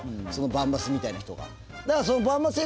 バンマスみたいな人が。